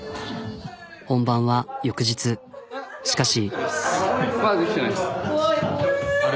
本番は翌日しかし。